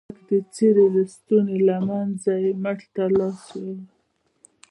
د هلك د څيرې لستوڼي له منځه يې مټ ته لاس يووړ.